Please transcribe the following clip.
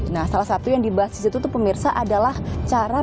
nah salah satu yang dibahas di situ tuh pemirsa adalah cara memiliki program yang berguna